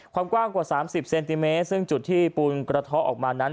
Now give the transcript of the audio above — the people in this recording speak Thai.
ความกว้างกว่า๓๐เซนติเมตรซึ่งจุดที่ปูนกระท้อออกมานั้น